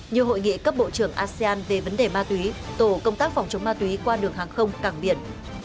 như hội nghị cấp bộ trưởng asean về vấn đề ma túy tổ công tác phòng chống ma túy qua đường hàng không cảng biển